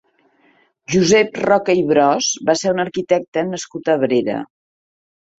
Josep Roca i Bros va ser un arquitecte nascut a Abrera.